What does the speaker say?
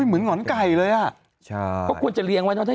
เหมือนหวานไก่เลยอ่ะก็ควรจะเลี้ยงไว้เนอะ